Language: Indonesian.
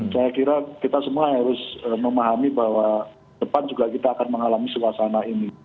saya kira kita semua harus memahami bahwa depan juga kita akan mengalami suasana ini